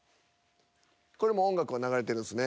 これもう音楽は流れてるんですね。